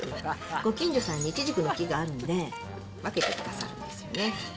ご近所さんにイチジクの木があるので、分けてくださるんですよね。